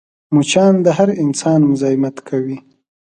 مچان د هر انسان مزاحمت کوي